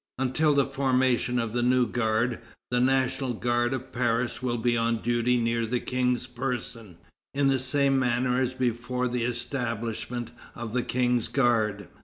Until the formation of the new guard, the National Guard of Paris will be on duty near the King's person, in the same manner as before the establishment of the King's guard."